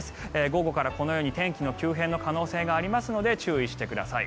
午後からこのように天気急変の可能性がありますので注意してください。